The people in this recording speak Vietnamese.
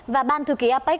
và ban thư ký apec